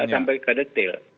sampai ke detail